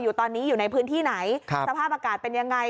อยู่ตอนนี้อยู่ในพื้นที่ไหนสภาพอากาศเป็นยังไง